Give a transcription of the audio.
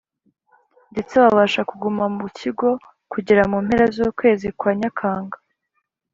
ndetse babasha kuguma mu kigo kugera mu mpera z ukwezi kwa Nyakanga